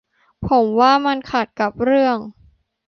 ผมว่ามันขัดกับเรื่อง